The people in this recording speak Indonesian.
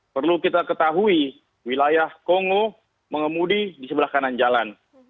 perlu kita ketahui wilayah kongo mengemudi di sebelah kanan jalan